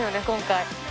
今回。